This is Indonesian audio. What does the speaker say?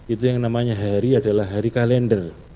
itu yang namanya hari adalah hari kalender